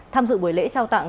tham dự buổi lễ trao tặng